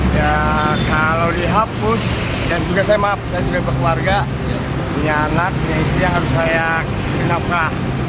ya kalau dihapus dan juga saya maaf saya sebagai berkeluarga punya anak punya istri yang harus saya genaplah